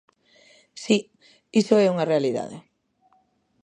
Si, iso é unha realidade.